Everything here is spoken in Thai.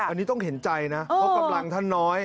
อันนี้ต้องเห็นใจนะเพราะกำลังท่านน้อย